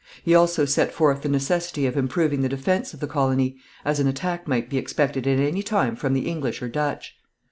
He also set forth the necessity of improving the defense of the colony, as an attack might be expected at any time from the English or Dutch.